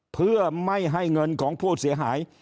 เพื่อไม่ให้เงินของผู้เสียหาย